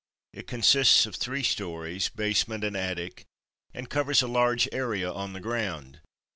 It consists of three stories, basement and attic, and covers a large area on the ground.